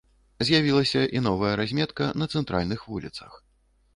З'явілася і новая разметка на цэнтральных вуліцах.